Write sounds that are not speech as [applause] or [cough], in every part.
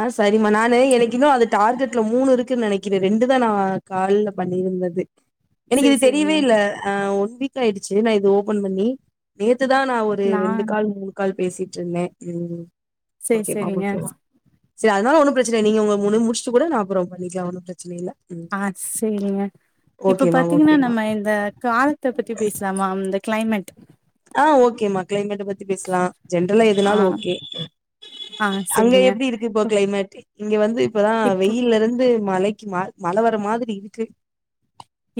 ஆ செரி நானு எனக்கு இன்னும் அது டார்கெட்ல மூணு இருக்குன்னு நினைக்கிறேன் ரெண்டு தான் நான் கால்ல பண்ணிருந்தது எனக்கு சேரி இது சேரிங்க. தெரியவே இல்ஹ் ஒன் வீக் [unintelligible] ஆயிடுச்சு நான் இது ஓபன் பண்ணி நே அத்துதான் நான் ஒரு ரெண்டு கால் மூணு கால் பேசிட்டு இருந்தே உம் சேர் செரிங்க செரி அதனால ஒண்ணு பிரச்சனை நீங்க உங்க முணு முடிச்சு கூட நா அப்றம் பண்ணிக்கலாம் ஒன்னு பிரச்சனை இலை ஆ செரிங்க இப்ப ஓகேமா பாத்தீங்கன்னா ஓகேமா நம்ம இந்த காலத்த பத்தி பேசலாமா இந்த கிளைமேட் ஆ ஓகேமா க்ளமேட் எத பத்தி பேசலா ஜென்ரலா ஆ எதனாலும் ஓகே ஆ அங்க சேரிங்க. எப்படி இருக்கு இப்போ கிளைமேட் இங்க வந்து இப் இப்பதான் இப்ப வெயில்ல இருந்து மலைக்கு ம மழை வர மாதிரி இருக்கு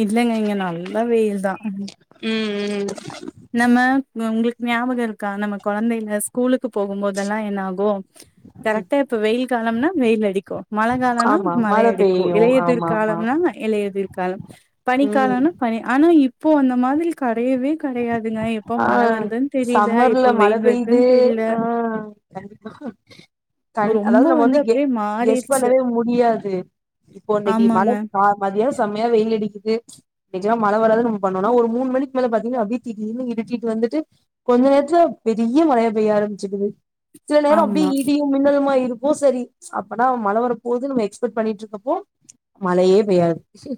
இல்லைங்க இங்க நல்லா வெயில் தான் அ உம் நம உங்களுக்கு ஞாபகம் இருக்கா நம்ம குழந்தையில ஸ்கூல் க்கு போகும்போதெல்லா என்ன ஆகோ ஆ கரெக்ட்டா இப்ப வெயில் காலம்னா வெயில் அடிக்கும் மழ காலம்னா ஆமா மழை மழ அடிக்கும் பெய்யு இளையதிர் ஆமா ஆமா காலம்னா இளையதிர் காலம் பணி ம் காலம்னா பனி ஆனா இ இப்போ அந்த மாதிரி கரையவே [unintelligible] ஆஹ் தெரில சம்மர்ல எப்போ மழை வெயில் பெயுது வருதுன்னு தெரில ஆஹ் கண்டிப்பா கண் ரொம்ப அதாவது நம்ம வந்து அப்டியே கெஸ் மாறிடுச்சு பண்ணவே முடியாது இப்போ இன்னைக்கு ஆமாங்க மழை மதியம் செம்யா வெயில் அடிக்குது நிஜமா மழ வராது ந பண்ணனா ஒரு மூணு மணிக்கு மேல ப [unintelligible] இருட்டிட்டு வந்துட்டு கொஞ்ச நேரத்துல பெரிய மழையா பெய்ய ஆரம்பிச்சிடுது சில நேரம் ஆமா அப்டியே இடியும் மின்னலுமா இருக் ஓ செரி அப்பனா மழை வர போகுதுன்னு நம்ம எக்ஸ்பெக்ட் பண்ணிட்ருக்கப்போ மழையே பெய்யாது ச்சீ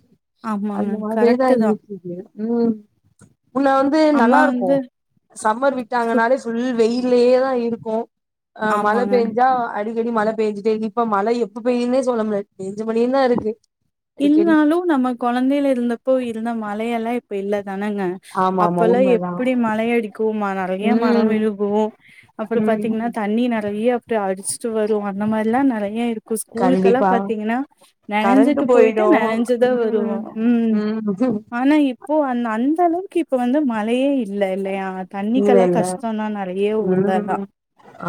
ஆமாங்க அந்த மாதிரி கரெக்ட் எல்லாம் தா இருக்குது உம் முன்ன வந்து அம்மா வந்து நல்லாருக்கும் சம்மர் சு விட்டாங்கனாலே ஃபுல் வெயில் இதுலேயே தான் இருக்கும் ஆஹ் மழ ஆமாங்க பெஞ்சா அடிக்கடி மழை பேண்ஜிட்டே [unintelligible] இப்ப மழை எப்ப பெய்யும்னே சொல்ல முடியாது [unintelligible] அடிக்கடி இந்தாலும் நம்ம கொழந்தையா இருந்தப்போ இருந்த மலையெல்லா இப்போ இல்ல தானங்க ஆமா ஆமா அப்பெல்லாம் உண்மதா எப்டி மழை அடிக்கும் மா நறையா மரம் ம் விழுகும் அப்புறம் ம் பாதிங்கனா தண்ணி நரையா அப்டியே அடிச்சிட்டு வரும் அந்த மாறிலாம் நறையா இருக்கும் ஸ்கூல்க்குளாம் கண்டிப்பா பாதிங்கனா கரண்ட் நனன்ஜிட்டு போயிடு நனஞ்சுதான் ம் வருவோம் உம் ம் ஆனா இப்போ ஓ அந்த அந்த அளவுக்கு இப்ப வந்து மழையே இல்ல இல்லையா இல்ல தண்ணிக்கெல்லாம் இல்ல கஷ்டம் தான் நெறைய ம்ம் ஊர்லலாம்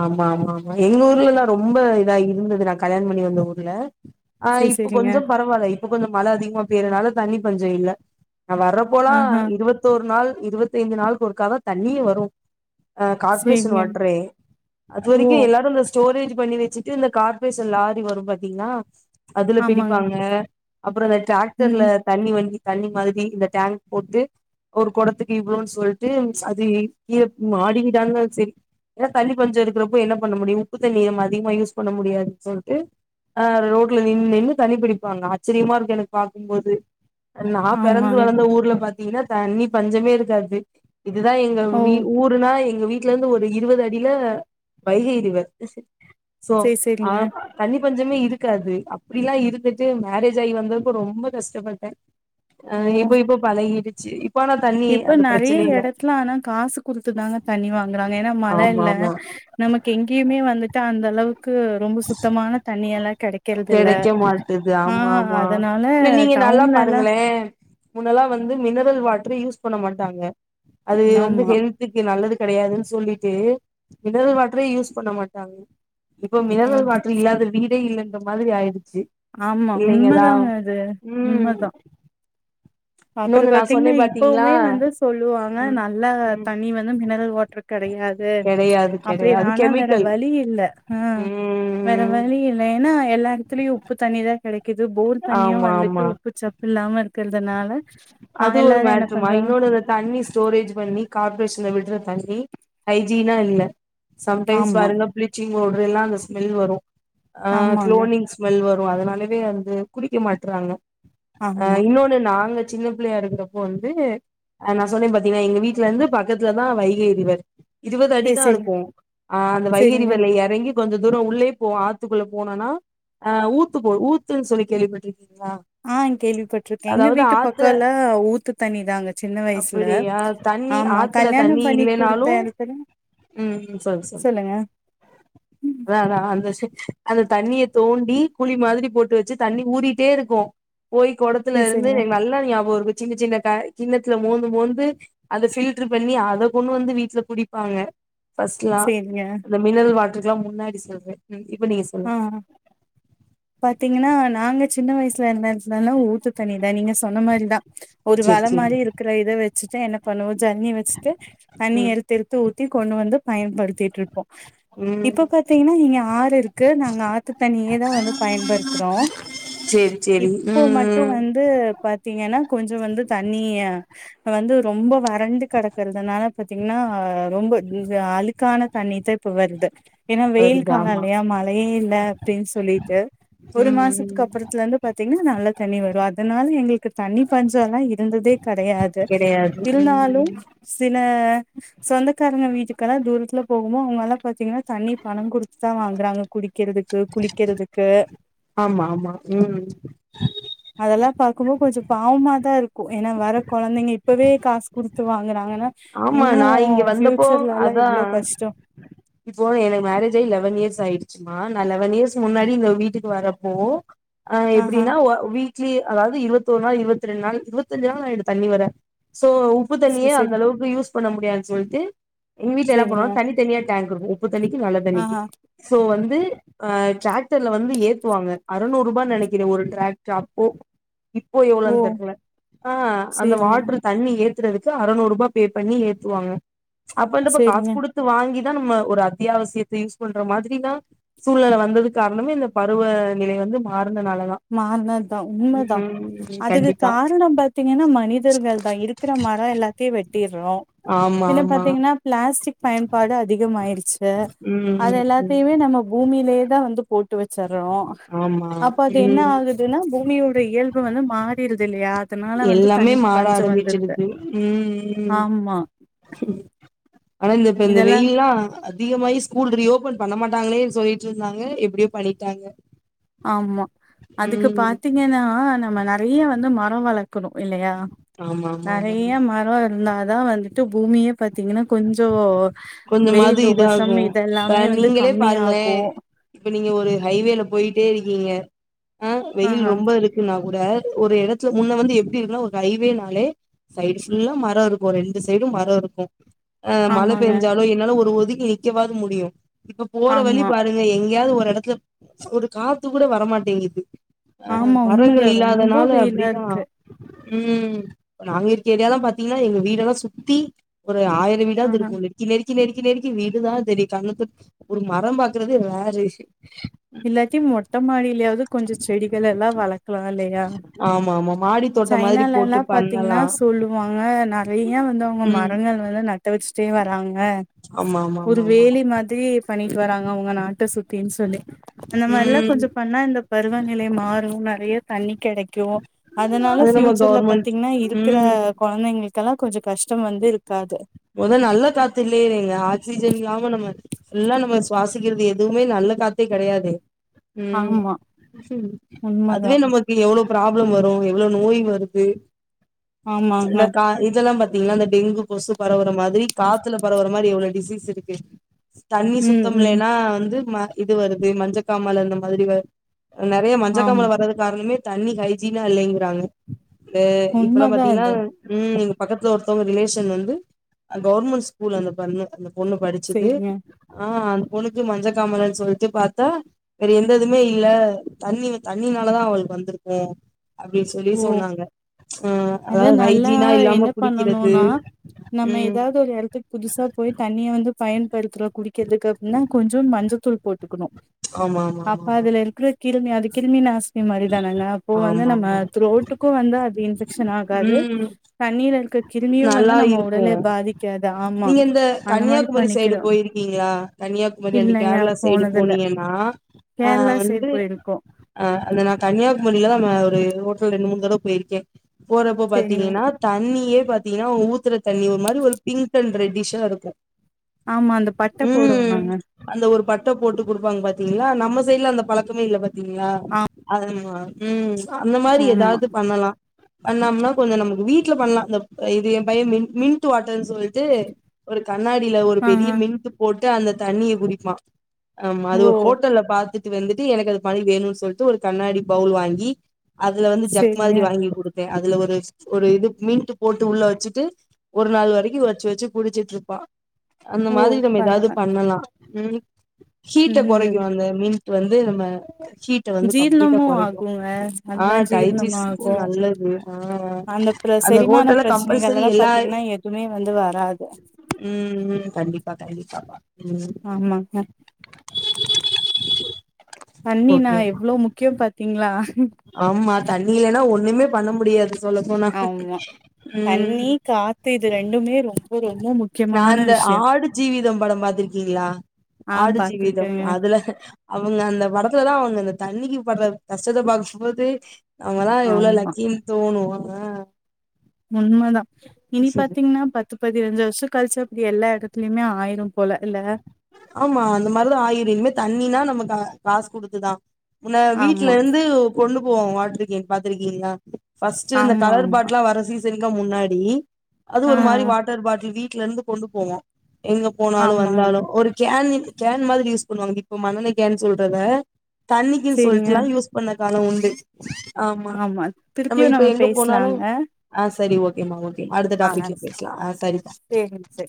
ஆமாமா மா எங்க ஊர்ல்லாம் ரொம்ப ரொம்ப இதா இருந்தது நான் கல்யாணம் பண்ணி வந்த ஊர்ல ஆஹ் செரி இப்ப செரிங்க கொஞ்சம் பரவாயில்ல இப்ப கொஞ்சம் மழ அதிகமாபெயிறனால தண்ணி பஞ்சம் இல்ல நா வர்றப்போலாம் ஆஹா இருபத்தோரு நாள் இருவத்தி ஐந்து நாள் ஒருக்கா தண்ணியே வரும் ஹ கார்பரேஷன் செரிங்க வாட்ரே அது ஓ வரைக்கும் எல்லாரும் இந்த ஸ்டோரேஜ் பண்ணி வச்சுட்டு இந்த கார்பரேஷன் லாரி வரும் பாதிங்னா அதுல ஆமாங்க பிடிப்பாங்க அப்றம் இந்த டிராக்டர்ல ம் தண்ணி வண்டி தண்ணி மாதிரி இந்த டேங்க் போட்டு ஒரு கொடத்துக்கு இவ்ளோன்னு சொல்ட்டு அது கீழ மாடிவீடான்னு சரி ஏன்னா தண்ணிபஞ்ச இருக்கிறப்ப என்ன பண்ண முடியும் உப்புத்தண்ணிய அதிகமா யூஸ் பண்ண முடியாதுன்னு சொல்ட்டு ஆஹ் ரோட்ல நின்னு நின்னு தண்ணி பிடிப்பாங்க ஆச்சரியமா இருக்கும் எனக்கு பாக்கும்போது நா பெறந்து ஆமாங்க வளந்த ஊர்ல பாத்தி ஏன்னா தண்ணி பஞ்சமே இருக்காது இதுதான் எங்க ஓ வீ ஊருனா எ எங்க வீட்ல இருந்து ஒரு இருவது அடில வைகை ரிவர் செரி செரிங்க [unintelligible] கொஞ்சமே இருக்காது அப்டிலாம் இருந்துட்டு மேரேஜ் ஆயி வந்தப்ப ரொம்ப கஷ்டப்பட்டேன் அஹ் ஓ இப்போ இப்போ பலகிட்டு சீ உப்பானா தண்ணி அந்த பிரச்சன இல்ல ல ஆனா காசு குடுத்து தாங்க தண்ணி வாங்கறாங்க ஏன்னா மழ ஆமா இல்ல ஆமா நமக்கு எங்கேயுமே வந்துட்டு அந்த [inaudible] க்கு ரொம்ப சுத்தமான தண்ணி எல்லாம் கிடைக்கறது இல்ல கெடைக்க மாட்டுது ஆமா ஆஹ ஆமா அதனால டவுன்ல எல்லாம் முன்னெல்லாம் வந்து மினரல் வாட்ரு யூஸ் பண்ண மாட்டாங்க அது வந்து ஆமா ஹெல்த்துக்கு நல்லதுக்கு கெடையாதுன்னு சொல்லிட்டு மினரல் வாட்டரே யூஸ் பண்ண மாட்றடாங்க இப்ப மினரல் ம் வாட்டர் இல்லாத வீட் இதே இல்ல இன் இந்த மாரி ஆயிருது ஆமா உண்மதான் அது ம் உண்மதான் அப்பறம் இன்னொன்னு நா சொன்னே பாத்தீங்கன்னா பாத்தீங்களா இப்பவுமே வந்து சொல்லுவாங்க ம் நல்லா ம் தண்ணி வந்து மினரல் வாட்டர் கெடையாது கெடையாது அப்டி கெடையாது நானா வேற கெமிக்கல் வழி இல்ல ஆ ஆ வோர ம் வழி இல்ன்னா எல்லா இரு ல உப்பு தண்ணி தான் கெடைக்குது போர் தண்ணியும் ஆமா வந்துட்டு ஆமா உப்பு சப்பு இல்லாம இருக்க அதனால அது ஒரு மாற்றமா இன்னொரு தண்ணி ஸ்டோரேஜ் பண்ணி கார்ப்பரேஷல விடுறது தண்ணி ஹைஜீனா இல்லா சன்டைம்ஸ் ஆமா வருங்க பிலிச்சி்ங் உடர எல்லாம் அந்த ஸ்மெல் வரும் ஆ ஆமாங்க க்கோனிங் ஸ்மெல் வ அதனாலேவோ வந்து குளிக்க மாட்டுறாங்க அ ஆமா இன்னொன்னு நாங்க சின்ன புள்ளையா இருக்கிறப்போ வந்துஹ நான சொன்னேன் பாத்தீங்கன்னா எங்க வீட்டுல இருந்து பக்கத்துலதான் வைகைறிரிவர் இருபது சரி அடிதான் சரி இருக்கும் ஆ அந்த சரிங்க வைகறிவர் ல இறங்கிப் கொஞ்சம் தூரம் உள்ளே போ ஆத்துக்குள்ள போன்னாஹ ஊத்து போ ஊத்து சொல்லி கேள்விப்பட்டிருக் ஆ கேள்விப்பட்டிருக்கேன் எங்க வீட்டு பக்க ஆத்துல கல்ல ஊத்து தண்ணிதாங்க சின்ன வயசுல அப்படியா தண்ணி ஆமா ஆத்துல கல்யாணம் தண்ணி பணி இல்லைனாலு குடுத்த இடத்துல ம் சொல்லு சொல்லு சொல்லுங்க உ அதா அதா அந்த அந்த தண்ணிய தோண்டி குழி மாரி போட்டு வச்சு தண்ணி ஊறிட்டே இருக்கும் போய் குடத்துல சரி இருந்து சரிங்க எ நல்லா சின்ன சின்ன க கிண்ணத்துல மோந்து மோந்து அதை பில்டர் பண்ணி அத கொண்டுவந்து வீட்டுல குடிப்பாங்க பர்ஸ்ட்லாம் சரிங்க அந்த மினரல் வாட்டர் இதலாம் முன்னாடி சொல்றேன் ஆஹ் பாத்தீங்கன்னா நாங்க சின்ன வயசுல இருந்து [unintelligible] ஊத்துக் தண்ணிதா நீங்க சொன்ன மாரிதா ஒரு சேரி வல சேரி மாரி இருக்கற இத வச் ச்சுட்டு என்ன பண்ணுவது ஜர்னி வச்சுட்டு தண்ணி ம் எடுத்தெடுத்து ஊத்தி கொண்டு வந்து பயன்படுத்திட்டு இருக்கோ ம் இப்ப பாத்தீங்கன்னா இங்க ஆறு இருக் நாங்க ஆத்து தண்ணியேதா வந்து பயன்படுத்துறோ சேரி சேரி இப்போ மட்டு ம் வந்து பாத்தீங்கன்னா கொஞ்ச வந்து தண்ணிய ஆ வந்து ரொம்ப வறண்டு கெடக்கறதுனால பாத்தீங்கன்னா ரொம்ப இந்த அழுக்கான தண்ணிதா இப்ப வருது ஏன்னா வெயில் வருது காலோ ஆமா இல்லயா மா வழி இல்ல அப்டின்னு சொல்லிட்டு ஒரு ம் ம் மாசத்துக்கு அப்புறத்துல இருந்து பாத்தீங்கன்னா நல்ல தண்ணி வரு அதனால எங்களுக்கு தண்ணி பஞ்சோ எல்லா இருந்ததே கெடையாது கெடையாது இருந்தாலு ம் சில சொந்தக்காரங்க வீட்டுக்கெல்லா தூரத்துல போகுமோ அவங்கல்லா பாத்தீங்கன்னா தண்ணி பணங் குடுத்துதா வாங் றாங் குடிக்கிறதுக்கு குளிக்கிறதுக்கு ஆமா ஆமா உம் அதெல்லா பாக்கும்போ கொஞ்ச பாவமாதா இருக்கும் ஏன்னா வர கொழந்தைங்க இப்பவே காசு குடுத்து வாங்குறாங்கன்னா ஆமா இனியு நா இங்க வந்தப்போ ஃபியூச்சர்லல்லா அதா எவ்ளோ கஷ்டோ இப்போ எனக்கு மேரேஜ் ஆயி லெவன் இயர்ஸ் ஆயிடு ச்சும்மா நா லெவன் இயர்ஸ் முன்னாட் இவங்க வீட்டுக்கு வரப்போ அ ஆஹா எப்டின்னா அ வீக் த்லி அதாவது இருவத்தோரு நாள் இருவத்ரெண்ட் நாள் இருவத்தஞ்சு நாள் ஆயிடு தண்ணி வர சோ உப்பு செரி தண்ணியே அந்த செரி அளவுக்கு யூஸ் பண்ண முடியாதுன் சொல்ட்டு எங்க வீட்ல என்ன பண்ணுவோ செரிங்க தனி தனியா [unintelligible] உப்பு தண்ணிக்கி நல்ல தண்ணிக்கி ஆஹா சோ வந் ந்து ஆ டிராக்டர்ல வந்து ஏத்துவாங்க அறநூறு ரூபா நெனைக்கிறே ஒரு டிராக்டர் அப்போ இப்போ ஓ எவ்வளவுன் தெரில ஆஹ் அந்த செரிங்க வாட்ரு தண்ணி ஏத் ஏத்தறதுக்கு அறநூறு ரூபா பே பண்ணி ஏத்துவாங்க அப்ப இந்தப்ப காசு செரிங்க குடுத்து வாங்கி தா நம்ம ஒரு அத்தியாவசியத்த யூஸ் பண்ற மாதிரிதா சூழ்நெல வந்ததுக்கு காரணமே இந்த பருவ நிலை வந்து மாறி மாறனதுதா உண்மதா ம் அதுக்கு கண்டிப்பா காரணோ பாத்தீங்கன்னா மனிதர்கள்தா இருக்குற மரோ எல்லாத்தையு வெட்டிர்றோ ஆமா பின்ன ஆமா பாத்தீங்கன்னா பிளாஸ்டிக் பயன்பாடு அதிகம் ஆயிடுச்சு அது ம் ம் எல்லாத்தையுமே நம்ம பூமி கீழ தான் வந்து போட்டு வச்சர் றனு ஆமா அ அது என்ன ம் ஆகுதுன்னா பூமியோட இயல்பு வந்து மாறிடுது இல்லயா எல்லாமே மார ஆரம்பிச்சிருது ம் ஆமா ஆனா இந்த இப்ப இந்த இதெல்லாம் வெயில்லாம் அதிகமாயி ஸ்கூல் ரீயோப்பன் பண்ண மாட்டாங்களேன்னு சொல்லிட்டு இருந்தாங்க எப்டியோ பண்ணிட்டாங்க ஆமா அதுக்கு ம் பாத்தீங்கன்னா நம்ம நெறைய வந்து மரம் வளர்க்கணும் இல்லயா ஆமா ஆமா ஆமா நெறைய மரம் இருந்தா அதான் வந்துட்டு பூமியே பாத்தீங்கன்னா கொஞ்சம் ஓ கொஞ்சமாது இதாகும் வந்து நீங்களே பாருங்களேன் கம்மியாகும் நீங்க ஒரு ஹைவேல போயிட்டே இருக்கீங்க ஆ வெயில் ஆஹ் ரொம்ப இருக்கு நான கூட ஒரு இடத்துல முன்ன வந்து எப்டி இருக்குனா ஒரு ஹைவேனாலே சைடு ஃபுல்லும் மரம் இருக்கும் ரெண்டு சைடும் மரம் இருக்கும் அ மழப் ஆமாங்க பெஞ்சாலெ என்னால்ல ஒரு உதுக் கெவைக்கவாது முடியும் இப்ப போற வழி ஆமா பாருங்க எங்கேயாவது ஒ இடத்துல ஒரு காத்து கூட வரமாட்டேங்குது அ ஆமா மரங்கள் உண்மைதான் ரொம்ப இல்லாதனால வெயிலா அப்டிதான் இருக்கு ம் நாங்க இருக்க ஏரியாலா பாத்தீங்கன்னா எங்க வீடெல்லாம் சுத்தி ஒரு ஆயிரம் வீடாது ஆஹ் இருக்கும் நெறுக்கி நெறுக்கி நெறுக்கி வீடுதான் தெரியும் கண்ணுக் ஒரு மரம் பாக்குறது ரேறு இல்லாட்டி மொட்ட மாடியிலயாவது கொஞ்சம் செடிகள் எல்லாம் வளர்க்கலாம் இல்லயா ஆமா ஆமா மாடி தோட்ட மாதிரி சைனால போட்டு எல்லாம் பாத்தீங்கன்னா பண்ணலா சொல்லுவாங்க நெறைய வந்து அவங்க ம் மரங்கள் வந்து நட் வச்சுட்டே வராங்க ஆமா ஆமா ஒரு ஆமா ஆமா வேலி மாரி பண்ணி வராங்க அவங்க நாட்ட சுத்தி தீன் சொல்லி அந்த மாரிலாம் ம் கொஞ்சம் பண்ணா இந்த பருவநிலை மாறும் நெறைய தண்ணி கெடைக்கும் அதனால அது நம்ம ஃயூச்சர்ல கவர்மெண்ட் பாத்தீங்கன்னா இருக்கிற ம் கொழந்தைங்களுக்கு க்கெல்லாம் கொஞ்சம் கஷ்டம் வந்து இருக்காது மொத நல்ல காத்து இல்லயே ங்க ஆக்சிஜன் இல்லாம நம்ம ஃபுல்லா நம்ம சுவாசிக்கிறது எதுவுமே நல்ல காத்தே கெடையாதே உம் ஆமா உண்மதா அதுவே நமக்கு எவ்ளவு ப்ரப் வரும் எவ்வளவு நோய் வருது ஆமாங்க இந்த கா இதெல்லாம் பத் இல்ல இந்த டெங்கு கொசு பரவுற மாரி காத்துல பரவுற மாரி எவ்வளவு டிசீஸ் இருக்கு தண்ணி ம் ம் சுத்தமில்லேன்னா வந்து இது வருது மஞ்சக்காமல அந்த மாரி நெறைய ஆமா மஞ்சக்கம்மல வரது காரணமே தண்ணி ஹைஜீனா இல்லங்கிறாங்க இப்பல்லாம் உண்மதா பாத்தீங்கன்னா அது உம் பக்கத்துல ஒருத்தவங்க ரிலேஷன் வந்து கவுவர்மெண்ட் ஸ்கூல் அந்த பண்ணு பொண்ணு படிச்சது சரிங்க ஆ பொனுக்கு மஞ்சக்காமலனு சொல்ட்டு பாத்தா வேற எந்த இதுமே இல்ல தண்ணி தண்ணினாலதான் அவளுக்கு வந்திருக்கோ அப்டின் சொல்லி ஓ சொன்னாங்க அஹ் அத அதாவது நல்லா ஹைஜீனா என்ன இல்லாம குடிக்கிறது பண்ணணும்னா நம்ம ம் ஏதாவது ஒரு இடத்துக்கு புதுசா போய் தண்ணியை வந்து பபைன் ப்பாற குடிக்கிறதுகு ந முன்ன கொஞ்சம் மஞ்சத்தூள் போட்டுக்கணும் ஆமா ஆமா ஆமா அப்ப ஆமா அதுல இருக்கிற கீருமி அதிக் கிருமி நாசி இது மாரி தானாங்க அப்போ வந்து ஆமா நம்ம ஆமா ரோட்டுக்கும் வந்து அது இன்பெக்ஷன் ஆகாது ம் தனி இல்ல எனக்கு கிருமியும் வந்து நல்லா நம்ம இருக்கு உடலை பாதிக்காது ஆமா நீங்க இந்த அந்த மாரி கன்னியாகுமரி சைடு பண்ணிக்கிறோ போயிருக்கீங்களா கன்னியாகுமரி அண்ட இல்லைங்க கேரளா சைடு போனதுல்ல போனீங்கன்னா அ கேரளா சைடு வந்து போயிருக்கோ அ அந்த ந கன்னியாகுமரியில நம்ம ஒரு ஹோடல் ரெண்டு மூனு தடவ போயிருக்கேன் போறப்போ செரிங்க பாத்தீங்கன்னா தண்ணியே பாத்தீங்கன்னா ஊத்துற தண்ணி ஒரு மாரி ஒரு பிங்க் ன் ரெடிஷா இருக்கோ ஆமா அந்த பட்ட போடுவங்க ட்ட போட்டு கொடுப்பாங்க பாத்தீங்களா நம்ம சைடல அந்த பலக்கமே இல்ல பத்தி இயா ஆ ஆமா ம் அந்த மாரி ஆமா ஏதாவது பண்ணலாம் பண்ணம்னா கொஞ்சம் நமக்கு வீட்ல பண்ணலாம் இது என் பையன் மின்ட் வாட்டர்ன்னு சொல்ல இது ஒரு கண்ணாடியில ஒரு ஆ பெரிய மின்த் போட்டு ட்டு அந்த தண்ணிய குடிப்பான் ஆமா அது ஓ ஒரு ஹோட்டல்ல பாத்துட்டு வந்துட்டு எனக்கு அது பணி வேணும்னு சொல்லிட்டு ஒரு கண்ணாடி பவுல் வாங்கி அதுல வந்து ஜக் செரிங்க மாரி வாங்கி கொடுத்து அதுல ஒரு இது மீன்ட்டு போட்டு உள்ள வச்சுட்டு ஒரு நாள் வரைக்கும் வச்ச வச்சு குடிச்சிட்டு இருப்பா அந்த ஓ மாதிரி நம்ம ஏதாவது பரவால பண்ணலாம் ம் ஹீட்ட ம் ம். குறைக்கும் அந்த மீன் வந்து நம்ம ஹீட்ட வந்து கம்ளீட்டா ஜீரணமு குறைக்கும் ஆகுங்க நல்லா ஆஹ் ஜீரணம் டைஜீஸ்ட்டுக்கு ஆகு நல்லது ஆஹ் அந்த பிர அந்த செரிமான ஹோட்டல பிரச்சனைகள் கம்பல்சரி எல்லா பாத்தீங்கன்னா எதுவுமே வந்து வராது உம் கண்டிப்பா கண்டிப்பாா உம் [inaudible] ஆமாங்க தண்ணி நா ஒகே எவ்ளோ முக்கியோ பாத்தீங்களா ஆமா தண்ணி இல்லன்னா ஒண்ணுமே பண்ண முடியாது சொல்ல போனா ஆமா ம் தண்ணி காத்து இது ரெண்டுமே ரொம்ப ரொம்ப நா முக்கியமான இந்த விஷயம் ஆடு ஜீவிதம் படம் பாத்திருக்கீங்களா ஆடு ஜீவிதம் பாத்துருக்கேங்க அதுல அவங்க அந்த வரப் த்துல தான் அவங்க இந்த தண்ணிக்கு படுற கஷ்டத்தை பாக்கும் போது அவங்கதான் எவ்வளவு ஆமா லக்கீன்னு தோணும் ஆ உண்மதான் இனி பாத்தீங்கன்னா பத்து பதினஞ்சு வருஷம் கழிச்சா அப்படி எல்லா இடத்துலயுமே ஆயிரும் போல இல்ல ஆமா அந்த மாரிலாம் ஆயுரனுமே தண்ணிணா நம்ம காசு குடுத்துதான் உன ஆமா வீட்டு்ல இருந்து கொண்டு [inaudible] வாட்ருக்கேன் பாத்துருக்கீங்களா பஸ்ட் இந்த ஆமா கலர் ஆமா பாட்லலாம் வரசி அதுக்க முன்னாடி அது ஆ ஒரு மாதிரி வாட்டர் பாட்டில் வி வீட்டுல இருந்து கொண்டு போவோம் எங்க போனாலும் ஆமாங்க வந்தாலும் ஒரு கேன் கேன் மாதிரி யூஸ் பண்ணுவாங்க இப்ப மண்ண கேன் சொல்றத தண்ணிக்குனு செரிங்க சொல்லிட்டுலா யூஸ் பண்ண காலம் உண்டு ஆமா நம்ம இப்ப எங்க போனாலு சரி ஓகேமா ஓகே அடுத்த ஆ டாபிக்ல பேசலாம் செரி சேரிங்க சேரி